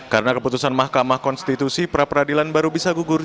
karena keputusan mahkamah konstitusi pra peradilan baru bisa gugur